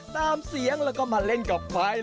ตามเสียงแล้วก็มาเล่นกับควาย